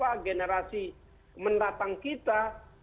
para generasi mendatang kita